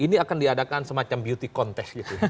ini akan diadakan semacam beauty contest gitu ya